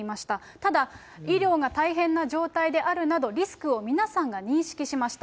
ただ、医療が大変な状態であるなど、リスクを皆さんが認識しました。